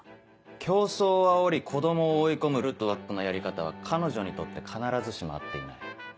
競争をあおり子供を追い込むルトワックのやり方は彼女にとって必ずしも合っていない。